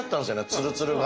ツルツルが。